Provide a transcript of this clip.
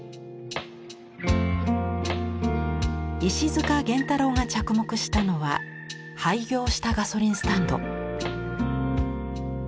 石塚元太良が着目したのは廃業したガソリンスタンド。